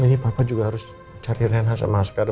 ini papa juga harus cari rena sama askar